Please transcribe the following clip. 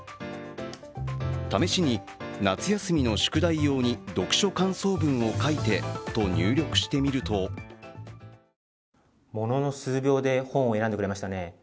試しに夏休みの宿題用に読書感想文を書いてと入力してみるとものの数秒で本を選んでくれましたね。